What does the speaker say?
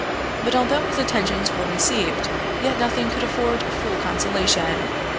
But although his attentions were received, yet nothing could afford full consolation.